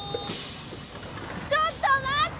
ちょっとまって！